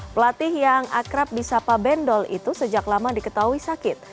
pelatih yang akrab di sapa bendol itu sejak lama diketahui sakit